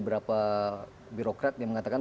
beberapa birokrat yang mengatakan